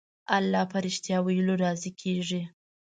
الله په رښتيا ويلو راضي کېږي.